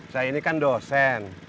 saya ini kan dosen